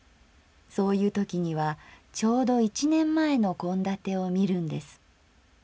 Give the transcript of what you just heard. そういうときにはちょうど一年前の献立を見るんです。